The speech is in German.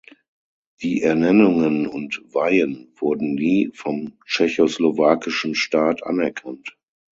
Die Ernennungen und Weihen wurden nie vom tschechoslowakischen Staat anerkannt.